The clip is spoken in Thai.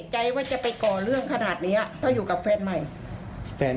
ใจว่าจะเป็นเกาะเรื่องขนาดนี้คือค่ะอยู่กับแฟนใหม่แฟน